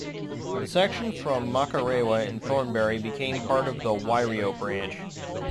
The section from Makarewa and Thornbury became part of the Wairio Branch.